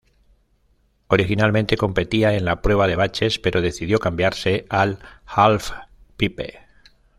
Originalmente competía en la prueba de baches, pero decidió cambiarse al "halfpipe".